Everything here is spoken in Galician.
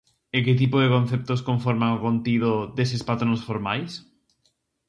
E que tipo de conceptos conforman o contido deses patróns formais?